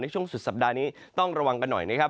ช่วงสุดสัปดาห์นี้ต้องระวังกันหน่อยนะครับ